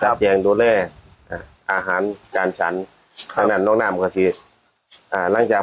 จัดแจงดูแลอ่าอาหารการฉันครับนั่นน้องนามกะทิอ่าหลังจาก